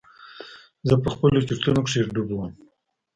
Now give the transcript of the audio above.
زه په خپلو چورتونو کښې ډوب وم.